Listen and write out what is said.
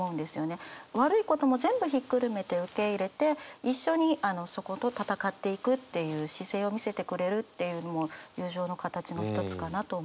悪いことも全部ひっくるめて受け入れて一緒にそこと闘っていくっていう姿勢を見せてくれるっていうのも友情の形の一つかなと思います。